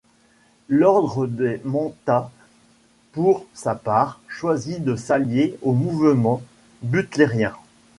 L'ordre des Mentats, pour sa part, choisit de s'allier au mouvement Butlerien.